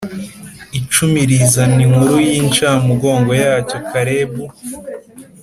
Icumi rizana inkuru y incamugongo ya cyo kalebu